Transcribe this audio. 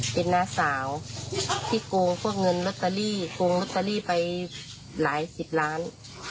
เป็นน้าสาวที่โกงพวกเงินลอตเตอรี่โกงลอตเตอรี่ไปหลายสิบล้าน